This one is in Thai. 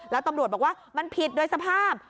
แล้วตำรวจบอกว่ามันผิดโดยสภาพ